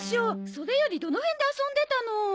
それよりどの辺で遊んでたの？